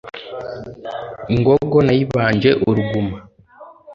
ingogo nayibanje uruguma